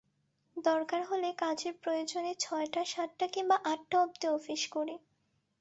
দরকার হলে কাজের প্রয়োজনে ছয়টা, সাতটা কিংবা আটটা অবধি অফিস করি।